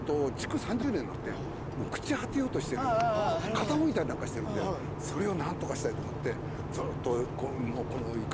傾いたりなんかしてるんでそれを何とかしたいと思って。